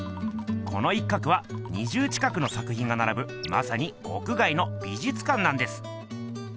この一角は２０近くの作品がならぶまさに屋外の美術館なんです！